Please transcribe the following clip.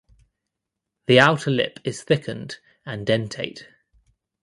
The outer lip is thickened and dentate.